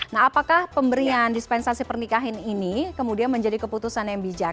nah apakah pemberian dispensasi pernikahan ini kemudian menjadi keputusan yang bijak